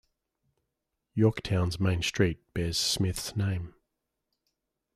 Yorktown's main street bears Smith's name.